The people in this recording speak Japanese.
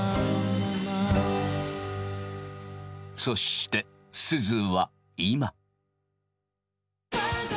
そしてすずは今。